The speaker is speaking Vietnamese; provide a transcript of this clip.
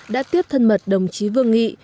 đã tiếp thân mật đồng chí vương nghị